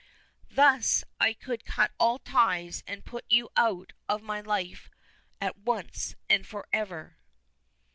Thus I could cut all ties and put you out of my life at once and forever!"